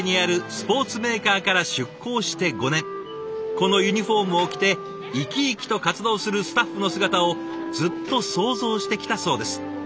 このユニフォームを着て生き生きと活動するスタッフの姿をずっと想像してきたそうです。